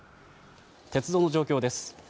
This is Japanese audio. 鉄道の状況です。